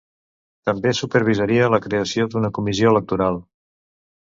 També supervisaria la creació d'una comissió electoral.